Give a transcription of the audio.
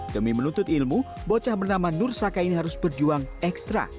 demi menuntut ilmu bocah bernama nur saka ini harus berjuang ekstra